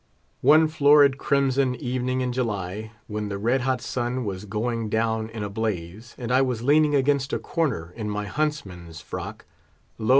One florid crimson evening in July, when the red hot sun was going down in a blaze, and I was leaning against a corner in my huntsman's frock, lo!